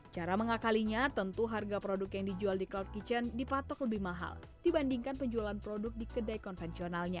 cara mengakalinya tentu harga produk yang dijual di cloud kitchen dipatok lebih mahal dibandingkan penjualan produk di kedai konvensionalnya